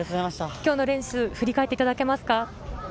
今日のレースを振り返っていただけますか？